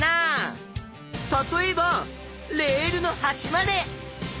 例えばレールのはしまで！